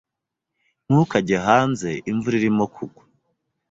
Ntukajye hanze. Imvura irimo kugwa.